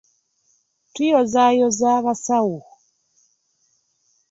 Tuyozaayoza abasawo